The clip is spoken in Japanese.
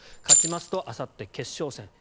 勝ちますと、あさって決勝戦。